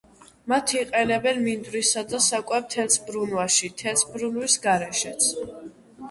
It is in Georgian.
მათ იყენებენ მინდვრისა და საკვებ თესლბრუნვაში, თესლბრუნვის გარეშეც.